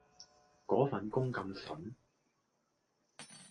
嗰份工咁旬